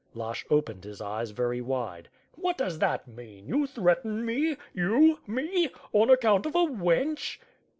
Lashch opened his eyes very wide. "What does that mean? You threaten me? You? Me? On account of a wench?"